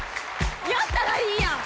やったらいいやん！